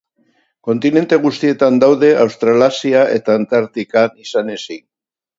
Kontinente guztietan daude Australasia eta Antartikan izan ezik.